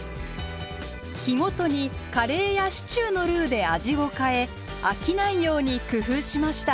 日ごとにカレーやシチューのルーで味を変え飽きないように工夫しました。